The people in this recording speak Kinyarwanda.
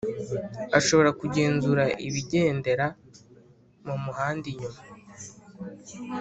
ashobora kugenzura ibigendera mu muhanda inyuma